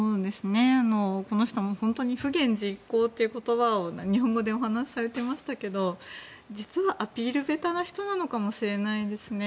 この人不言実行という言葉を日本語でお話しされていましたが実はアピール下手な人かもしれないですね。